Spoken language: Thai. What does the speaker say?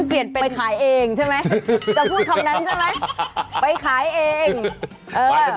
เปลี่ยนเป็นไปขายเองใช่ไหมจะพูดคำนั้นใช่ไหมไปขายเองเออ